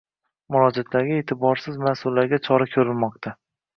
Murojaatlarga e’tiborsiz mas’ullarga chora ko‘rilmoqdang